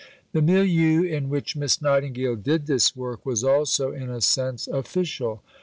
The milieu in which Miss Nightingale did this work was also in a sense official.